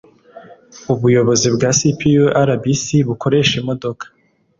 ubuyobozi bwa spiu rbc bukoresha imodoka